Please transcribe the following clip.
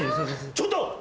ちょっと！